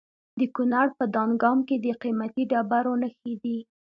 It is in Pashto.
د کونړ په دانګام کې د قیمتي ډبرو نښې دي.